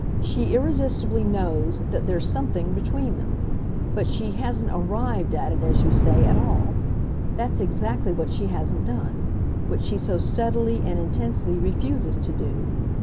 She irresistibly knows that there's something between them. But she hasn't 'arrived' at it, as you say, at all; that's exactly what she hasn't done, what she so steadily and intensely refuses to do.